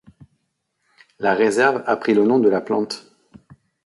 La réserve a pris le nom de la plante.